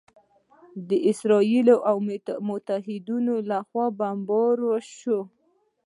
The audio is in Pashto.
د اسراییل او متحده ایالاتو لخوا بمبار شوي